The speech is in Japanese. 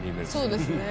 そうですね。